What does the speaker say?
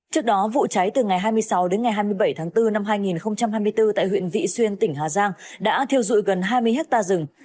trước đó vụ cháy từ ngày hai mươi sáu đến ngày hai mươi bảy tháng bốn năm hai nghìn hai mươi bốn tại huyện vị xuyên tỉnh hà giang đã thiêu dụi gần hai mươi hectare rừng